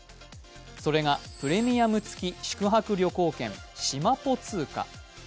それがプレミアム付宿泊旅行券しまぽ通貨。